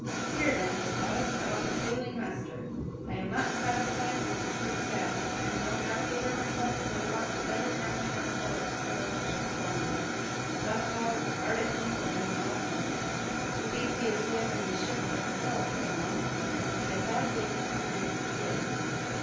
"Here then," said Bonnet, "I want a sailing master. I am not satisfied with this Big Sam. I am no navigator myself, but I want a better man than that fellow to sail my ship for me." Black Paul looked hard at him but made no answer. "He thinks he is sailing the ship for himself," said Bonnet, "and it would be a bad day for you men if he did."